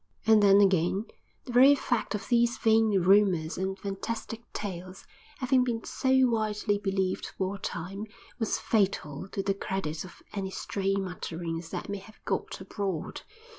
And, then, again, the very fact of these vain rumors and fantastic tales having been so widely believed for a time was fatal to the credit of any stray mutterings that may have got abroad.